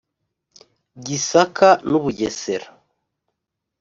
Gisaka n’u Bugesera)